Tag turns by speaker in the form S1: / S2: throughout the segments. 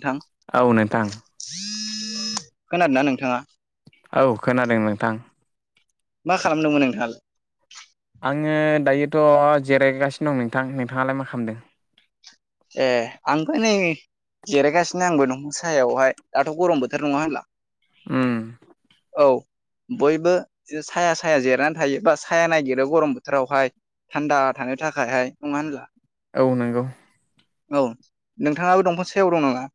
S1: नोंथां
S2: औ नोंथां
S1: खोनादोंना नोंथाङा
S2: औ खोनादों नोंथां
S1: मा खालामदोंमोन नोंथाङालाय
S2: आङो दायोथ' जिरायगासिनो दं नोंथां नोंथाङालाय मा खालामदों
S1: ए आंबो नै जिरायगासिनो आंबो दंफां सायावहाय दाथ' गरम बोथोर नङा होनब्ला
S2: उम
S1: औ बयबो साया साया जिरायनानै थायो बा साया नायगिरो गरम बोथोरावहाय थान्दा थानो थाखायहाय नङा होनब्ला
S2: औ नोंगौ
S1: औ नोंथाङाबो दंफां सायाव दं नामा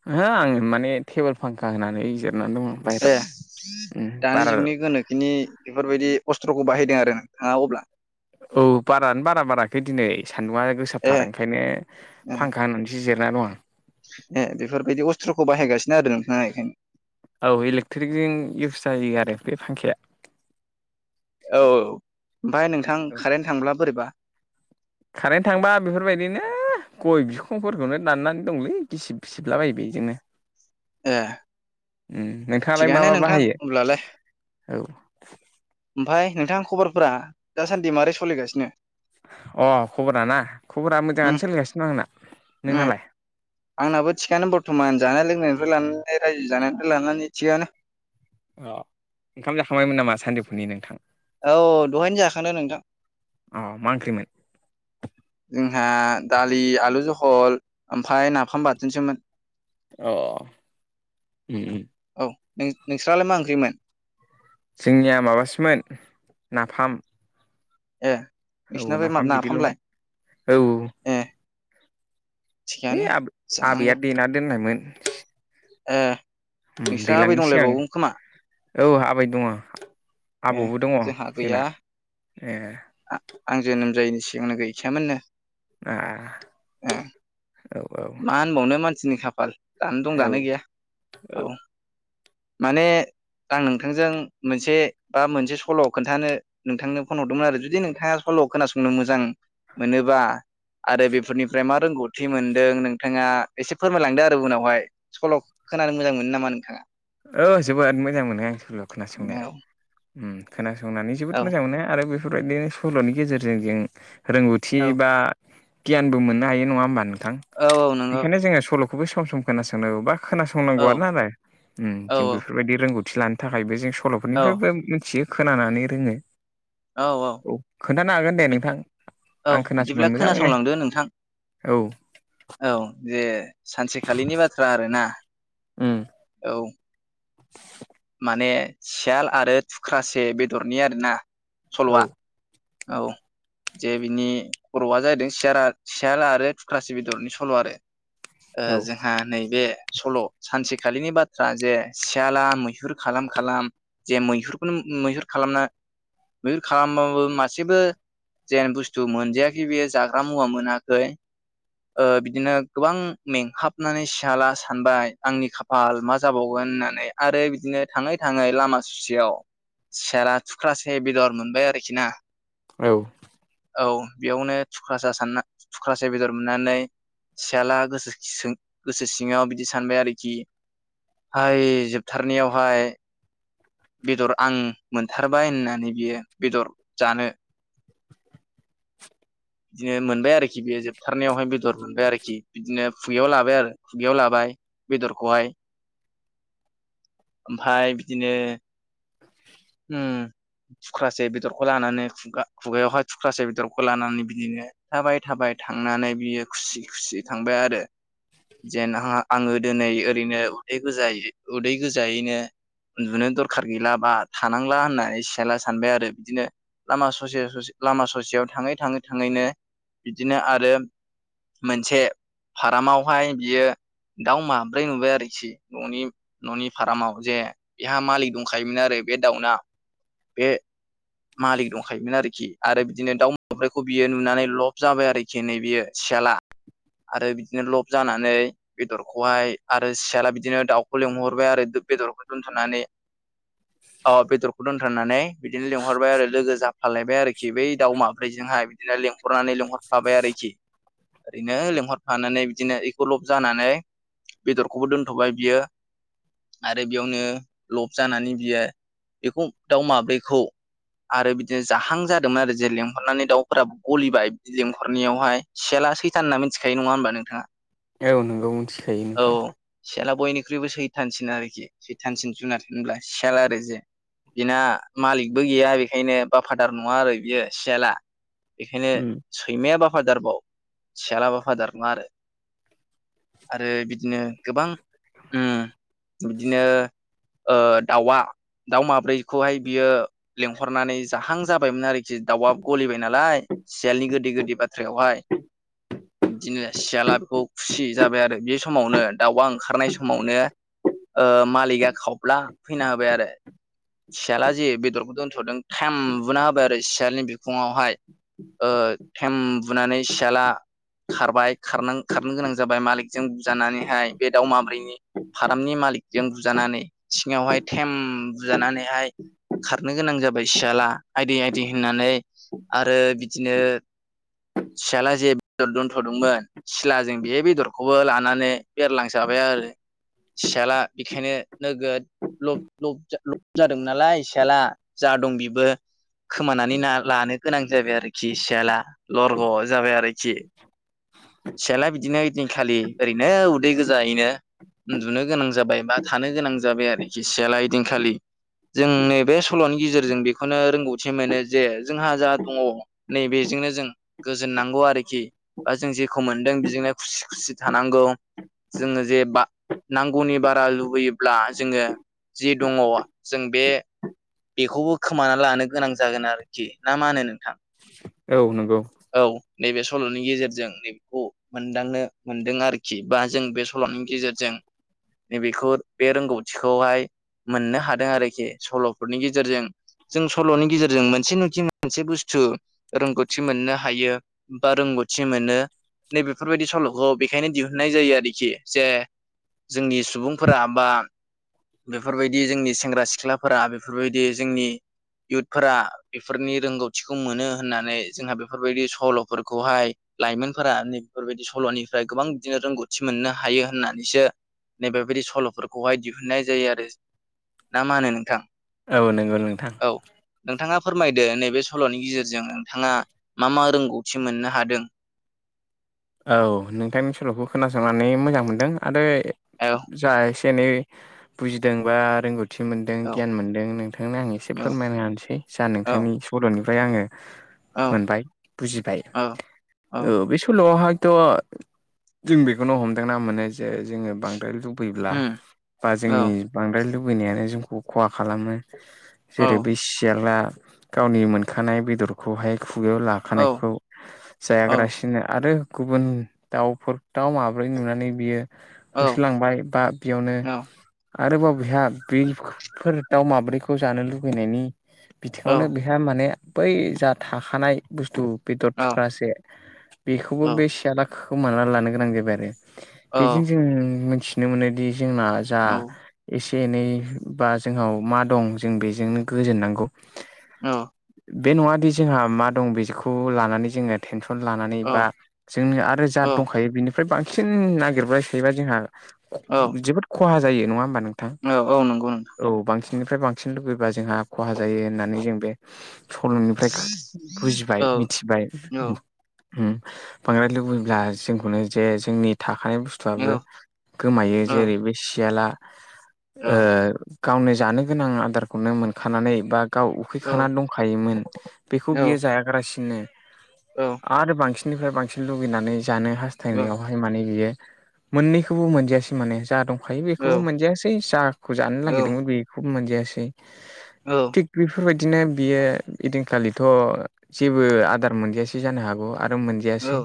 S2: [unintelligible] आङो माने टेबोल फांखा होनानै जिरनानै दङ
S1: ए
S2: बाहेरायाव उम
S1: दानि
S2: बारा
S1: जुगनि गोनोखोनि बेफोरबायदि अस्त्रखौ बाहायदों आरो नोंथाङा अब्ला
S2: औ बारानो बारा बाराखै दिनै सान्दुङा
S1: ए
S2: गोसाथार ओंखायनो फांखा होननानै एसे जिरायना दं आं
S1: ए बेफोरबायदि अस्त्रखौ बाहायगासिनो आरो नोंथाङा बेखायनो
S2: औ इलेक्ट्रिकजों इउस जायो आरो बे फांखाया
S1: औ ओमफ्राय नोंथां कारेन्ट थांब्ला बोरैबा
S2: खारेन्ट थांबा बेफोरबायदिनो गय बिखंफोरखौनो दाननानै दंलै गिसिब सिबलाबायो बेजोंनो
S1: ए
S2: उम नोंथाङालाय मा
S1: थिगानो
S2: मा
S1: नोंथां
S2: बाहायो
S1: होमब्लालाय
S2: औ
S1: ओमफाय नोंथां खबरफोरा दासान्दि माबोरै सोलिगासिनो
S2: अ खबरा ना खबरा
S1: उम
S2: मोजाङानो सोलिगासिनों आंना
S1: उम
S2: नोंनालाय
S1: आंनाबो थिगानो बरथमान जानाय लोंनायनिफ्राय लानानै रायजो जानायनिफ्राय लानानै थिगानो
S2: अ ओंखाम जाखांबायमोन नामा सानजौफुनि नोंथां
S1: औ दहायनो जाखांदों नोंथां
S2: अ मा ओंख्रिमोन
S1: जोंहा दालि आलु जहल ओमफाय नाफाम बाथोनसोमोन
S2: अ उम उम
S1: औ नों नोंस्रालाय मा ओंख्रिमोन
S2: जोंनिया माबासोमोन नाफाम
S1: ए
S2: औ
S1: नोंसिनाबो
S2: नाफाम बिदैल'मोन
S1: नाफामलाय
S2: औ
S1: ए
S2: है
S1: थिगानो
S2: आ आबैया
S1: जानांगौ
S2: देना दोननायमोन
S1: ए नोंस्रा आबै
S2: दैलांनि सिगां
S1: दंलायबावो खोमा
S2: औ आबै दङ
S1: ए
S2: आबौबो दङ
S1: जोंहा
S2: जोंना
S1: गैया
S2: ए
S1: आं जोनोम जायैनि सिगांनो गैखायामोननो
S2: ए
S1: ए
S2: औ औ
S1: मा होनबावनो मानसिनि खाफाल दानो दं दानो गैया औ माने आं नोंथांजों मोनसे बा मोनसे सल' खोन्थानो नोंथांनो फन हरदोंमोन आरो जुदि नोंथाङा सल' खोनासंनो मोजां मोनोबा आरो बेफोरनिफ्राय मा रोंगौथि मोनदों नोंथाङा एसे फोरमायलांदो आरो उनावहाय सल' खोनानो मोजां मोनो नामा नोंथाङा
S2: औ जोबोद मोजां मोनो आं सल' खोनासंनो
S1: औ
S2: उम खोनासंनानै जोबोद
S1: औ
S2: मोजां मोनो आरो बेफोरबायदिनो सल'नि गेजेरजों जों रोंगौथि
S1: औ
S2: बा गियानबो मोननो हायो नङा होमबा नोंथां
S1: औ औ नंगौ
S2: बेनिखायनो जोङो सल' खौबो सम सम खोनासंनोांगौ बा
S1: औ
S2: खोनासंनांगौआनो आरो उम
S1: औ
S2: जों बेफोरबायदि रोंगौथि लानो थाखायबो जों
S1: औ
S2: सल'फोरनिफ्रायबो मिथियो खोनानानै रोङो औ खोन्थानो हागोन दे नोंथां
S1: औ
S2: आं खोनासंगोन
S1: बिदिब्ला
S2: मोजांनो
S1: खोनासंलांदो नोंथां
S2: औ
S1: औ जे सानसेखालिनि बाथ्रा आरो ना
S2: उम
S1: औ
S2: [inaudible]
S1: माने सियाल आरो थुख्रासे बेदरनि आरोना
S2: औ
S1: सल'आ औ जे बिनि खर'आ जाहैदों सियाल सियाल आरो थुख्रासे बेदरनि सल' आरो ओ
S2: औ
S1: जोंहा नैबे सल' सानसेखालिनि बाथ्रा जे सियाला मैहुर खालाम खालाम जे मैहुरखौनो मैहुर खालामना मैहुर खालामाबो मा [unintelligible] मोसेबो जेन बुस्थु मोनजायाखै बेयो जाग्रा मुवा मोनाखै बिदिनो गोबां मेंहाबनानै सियाला सानबाय आंनि खा फाल मा जाबावगोन होननानै आरो बिदिनो थाङै थाङै लामा ससेयाव सियाला थुख्रासे बेदर मोनबाय आरोखि ना
S2: औ
S1: औ बेयावनो थुख्रासा [unintelligible] सान थुख्रासे बेदर मोननानै सियाला गोसो गोसो सिङाव बिदि सानबाय आरोखि हाय जोबथारनायावहाय बेदर आं मोनथारबाय होननानै बियो बेदर जानो बिदिनो मोनबाय आरोखि बेयो जोबथारनायावहाय बेदर मोनबाय आरोखि बिदिनो खुगायाव लाबाय आरो खुगायाव लाबाय बेदरखौहाय ओमफ्राय बिदिनो
S2: आ [unintelligible]
S1: थुख्रासे बेदरखौ लानानै खुगा खुगायावहाय थुख्रासे बेदरखौ लानानै बिदिनो थाबाय थाबाय थांनानै बियो खुसि खुसि थांबाय आरो जेन आङो दिनै ओरैनो उदै गोजाय उदै गोजायैनो उन्दुनो दरखार गैला बा थानांला होननानै सियाला सानबाय आरो बिदिनो लामा ससे ससे लामा ससेयाव थाङै थाङो थाङैनो बिदिनो आरो मोनसे फारामावहाय बियो दाउ माब्रै नुबाय आरोखि न'नि न'नि फारामाव जे बेहा मालिक दंखायोमोन आरो बे दाउना बे मालिक दंखायोमोन आरोखि आरो बिदिनो दाउ माब्रैखौ बियो नुनानै लब जाबाय आरोखि नै बियो सियाला आरो बिदिनो लब जानानै बेदरखौहाय आरो सियाला बिदिनो दाउखौ लिंहरबाय आरो बेदरखौ दोनथ'नानै औ बेदरखौ नानै बिदिनो लिंहरबाय आरो लोगो जाफालायबाय आरोखि बै दाव माब्रैजोंहाय बिदिनो लेंहरनानै लिंहर थाबाय आरोखि ओरैनो लेंहरफानानै बिदिनो एख' लब जानानै बेदरखौबो दोनथ'बाय बियो आरो बेयावनो लब जानानै बियो बेखौ दाउ माब्रैखौ आरो बिदिनो जाहां जादोंमोन आरो जे लेंहरनानै दाउफोराबो गलिबाय बिदि लेंहरनायावहाय सियाला सैथान होनना मिथिखायो नङा होमबा नोंथाङा
S2: औ नंगौ मिथिखायो
S1: औ
S2: नोंथां
S1: सियाला बयनिख्रुइबो सैथानसिन आरोखि सैथानसिन जुनार होनब्ला सियाल आरो जे बिना मालिकबो गैया बेखायनो बाफादार नङा आरो बियो सियाला बेखायनो
S2: उम
S1: सैमाया बाफादारबाव सियाला बाफादार नङा आरो आरो बिदिनो गोबां बिदिनो दाउआ दाउ माब्रैखौहाय बियो लेंहरनानै जाहां जाबायमोन आरोखि दाउआ गलिबाय नालाय सियालनि गोदै गोदै बाथ्रायावहाय बिदिनो सियाला बेखौ खुसि जाबाय आरो बे समावनो दाउआ ओंखारनाय समावनो मालिका खावब्ला फैना होबाय आरो सियाला जे बेदरखौ दोनथ'दों थाम बुना होबाय आरो सियालनि बिखुङावहाय ओ थेम बुनानै सियाला खारबाय खारनो खारनो गोनां जाबाय मालिकजों बुजानानैहाय बे दाउ माब्रैनि फारामनि मालिकजों बुजानानै सिङावहाय थेम बुजानानैहाय खारनो गोनां जाबाय सियाला आइदि आइदि होननानै आरो बिदिनो सियाला जे बेदर दोनथ'दोंमोन सिलाजों बे बेदरखौबो लानानै बेरलांजाबाय आरो सियाला बेखायनो नोगोद लब लब लब जादोंमोन नालाय सियाला जा दं बिबो खोमानानै लानो गोनां जाबाय आरोखि सियाला लरग' जाबाय आरोखि सियाला बिदिनो ओइदिनखालि ओरैनो उदै गोजायैनो उन्दुनो गोनां जाबाय बा थानो गोनां जाबाय आरोखि सियाला इदिनखालि जों नैबे सल'नि गेजेरजों बेखौनो रोंगौथि मोनो जे जोंहा जा दङ नै बेजोंनो जों गोजोननांगौ आरोखि बा जों जेखौ मोनदों बेजोंनो खुसि खुसि थानांगौ जोङो जे बा नांगौनि बारा लुबैयोब्ला जोङो जे दङ जों बे बेखौबो खोमाना लानो गोनां जागोन आरोखि ना मा होनो नोंथां
S2: औ नोंगौ
S1: औ नैबे सल'नि गेजेरजों नैबेखौ मोनदांनो मोनदों आरोखि बा जों बे सल'नि गेजेरजों नैबेखौ बे रोंगौथिखौहाय मोननो हादों आरोखि सल'फोरनि गेजेरजों जों सल'नि गेजेरजों मोनसेनोखि मोनसे बुस्थु रोंगौथि मोननो हा हायो बा रोंगौथि मोनो नै बेफोरबायदि सल'खौ बेखायनो दिहुननाय जायो आरोखि जे जोंनि सुबुंफोरा बा बेफोरबायदि जोंनि सेंग्रा सिख्लाफोरा बेफोरबायदि जोंनि इयुथफोरा बेफोरनि रोंगौथिखौ मोनो होननानै जोंहा बे फोरबायदि सल'फोरखौहाय लाइमोनफोरा नैबेफोरबायदि सल'निफ्राय गोबां बिदिनो रोंगौथि मोननो हायो होननानैसो नैबेबायदि सल'फोरखौहाय दिहुननाय जायो आरो ना मा होनो नोंथां
S2: औ नंगौ नोंथां
S1: औ नोंथाङा फोरमायदो नैबे सल'नि गेजेरजों नोंथाङा मा मा रोंगौथि मोननो हादों
S2: औ नोंथांनि सल'खौ खोनासंनानै मोजां मोनदों आरो
S1: औ
S2: जा एसे एनै बुजिदोंबा रोंगौ थि मोनदों
S1: औ
S2: गियान मोनदों नोंथांनो आं एसे
S1: औ
S2: फोरमायनो हानोसै जा
S1: औ
S2: नोंथांनि सल'निफ्राय आङो
S1: औ
S2: मोनबाय बुजिबाय
S1: औ
S2: औ बे सल'आवहा थ' जों बेखौनो हमदांना मोनो जे जोङो बांद्राय लुबैब्ला
S1: उम
S2: बा
S1: औ
S2: जोंनि बांद्राय लुबैनायानो जोंखौ खहा खालामो
S1: औ
S2: जेरै बै सियाला गावनि मोनखानाय बेदरखौहाय खुगायाव
S1: औ
S2: लाखानायखौ
S1: औ
S2: जायागारा सिनो आरो गुबुन दाउफोर दाव माब्रै नुनानै बियो होसोलांबाय बा बेयावनो
S1: औ
S2: आरोबाव बेहा बिलफोर दाउ माब्रैखौ जानो लुुबैनायनि बिथिङावनो
S1: औ
S2: बेहा माने बै जा थाखानाय बुस्थु बेदर
S1: औ
S2: थुख्रासे
S1: औ
S2: खौबो बेसे सिआला खोमानानै लानो गोनां जाबाय आरो
S1: औ
S2: बेजों जों मोनथि नो मोनोदि जोंना जा
S1: औ
S2: एसे एनै बा जोंनाव मा दं जों बेजोंनो गोजोननांगौ
S1: औ
S2: बे नङादि जोंहा मा दं बेखौ लानानै जोङो टेनसन लानानै बा जोंनो आरो
S1: औ
S2: जादों दंखायो बिनिफ्राय बांसिन नागिरबाय थायोबा जोंहा
S1: औ
S2: जोबोद। खहा जायो नङा होमबा ओ नोंथां
S1: औ नंगौ नोंथां
S2: औ बांसिन निफ्राय बांसिन लुबैबा जोंहा खहा जायो होननानै जों बे सल'निफ्राय
S1: औ
S2: बुजिबाय मिथिबाय
S1: औ
S2: बांद्राय लुबैब्ला जोंखौनो जे जोंनि थाखानाय
S1: औ
S2: बुस्थुआबो गोमायो
S1: औ
S2: जेरै बेबो सियाला
S1: औ
S2: गावनो जानो गोनां आदारखौनो मोनखानानै बा ओ गावनि
S1: औ
S2: उखैखाना दंखायोमोन बेखौ
S1: औ
S2: बियो जायागारासिनो
S1: औ।
S2: आरो बांसिननिफ्राय बांसिन लुगैनानै जानो हास्थायनायावहायबो हायो माने बियो मोननैखौबो मोनजायासै माने जा दंखायो बेखौबो मोनजायासै जायो। खौ जानो नागिरदोंमोन बेखौबो मोनजायासै।
S1: औ।
S2: बेफोरबादिनो बियो इदिनखालिथ' जेबो आदार मोनजयासै जानो हागौ आरो मोनो।
S1: औ
S2: जायासै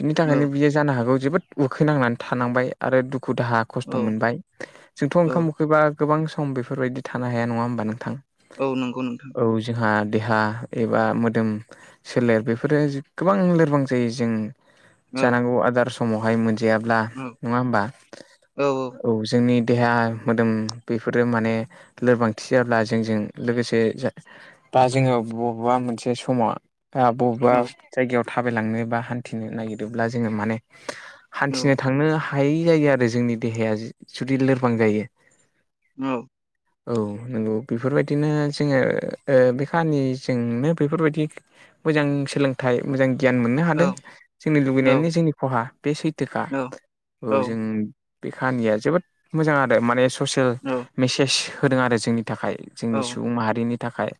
S2: बिनि थाखायनो बियो जानो हागौ जोबोद उखै नांनानै थानांबाय आरो दुखु दाहा खस्थ' मोनबाय जोंथ'
S1: औ
S2: ओंखाम उखैबा गोबां सम बेफोरबायदि थानो हाया नङा होमबा नोंथां?
S1: औ नंगौ नोंथां।
S2: औ जोंहा देहा एबा मोदोम सोलेर बेफोरो गोबां लोरबां जायो जों जों
S1: औ
S2: जानांगौ आदार समावहाय मोनजायाब्ला
S1: औ
S2: नङा होमबा? औ जोंनि देहा मोदोम बेफोरो माने लोरबांथि जाब्ला जोंजों लोगोसे बा जोङो बबेबा मोनसे समाव बबेबा
S1: औ
S2: जायगायाव थाबायलांनो बा हान्थिनो नागिरोब्ला जोङो माने हान्थिनो थांनो हायै जायो आरो जोंनि देहाया जुदि लोरबां जायो।
S1: औ।
S2: औ नंगौ बेफोरबायदिनो जोङो बे खाहानिजोंनो बेफोरबादि मोजां सोलोंथाइ मोजां गियान मोननो हादों। जोंनि लुुबैनायानो जोंनि खहा बे सैथोखा औ जों बे काहानिया जोबोद मोजां आरो माने ससियेल
S1: औ
S2: मेसेज होदों आरो जोंनि थाखाय। जोंनि
S1: औ
S2: सुबुं माहारिनि थाखाय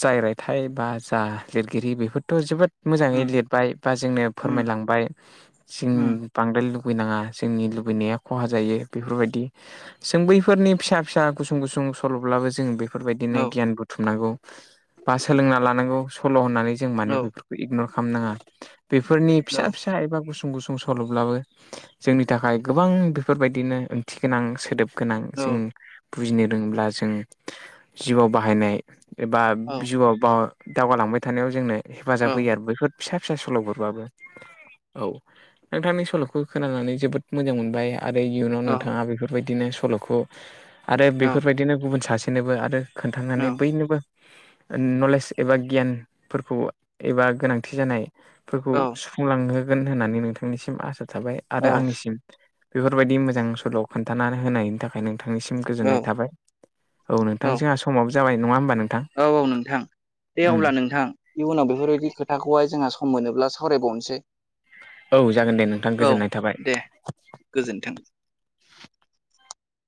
S2: जाय रायथाइ बा जा लिरगिरि बेफोरथ' जों जोबोद। मोजाङै
S1: उम
S2: लिरबाय बा जोंनो
S1: उम
S2: फोरमायलांबाय जों
S1: उम
S2: बांद्राय लुबैनाङा जोंनि लुबैनाया खहा जायो बेफोरबादि जों बैफोरनि फिसा फिसा गुसुं गुसुं सल'ब्लाबो जों बे बेफोरबादिनो
S1: औ
S2: गियान बुथुमनांगौ बा सोलोंना लानांगौ सल' होननानै जों
S1: औ
S2: मानो बेफोरखौ इगनर खालामनाङा बेफोरनि
S1: औ
S2: फिसा फिसा एबा गुसुं गुसुं। सल'ब्लाबो जोंनि थाखाय गोबां बेफोरबायदिनो ओंथि गोनां सोदोब। गोनां
S1: औ
S2: जों बुजिनो रोब्ला जों जिउआव बाहायनाय। एबा
S1: औ
S2: जिउआव बा दावगालांबाय थानायाव जोंनो
S1: औ
S2: हेफाजाब होयो आरो बेफोर फिसा फिसा सल'फोरबाबो औ नोंथांनि सल'खौ खोनानानै जोबोद मोजां मोनबाय आं। आरो इयुनाव नोंथाङा बेफोरबायदिनो सल'खौ आरो
S1: औ
S2: बेफोरबादिनो गुबुन सासेनोबो आरो खोन्थानानै बयनोबो नलेज एबा गियानफोरखौ। एबा गोनांथि जानायफोरखौ सुफुंलांहोगोन होननानै नोंथांनिसिम आसा थाबाय। आरो आंनिसिम बेफोरबायदि मोजां सल' खोन्थानानै होनायनि थाखाय नोंथांनिसिम
S1: औ
S2: गोजोननाय थाबाय औ नोंथां जोंहा समावो जाबाय नङा होमबा नोंथां।
S1: औ औ नोंथां दे
S2: उम
S1: अब्ला नोंथां? इयुनाव बेफोरबायदि खोथाखौहाय जोंहा सम मोनोब्ला सावरायबावनोसै।।
S2: औ जागोन दे नोंथां
S1: औ
S2: गोजोननाय थाबाय।
S1: दे गोजोन्थों।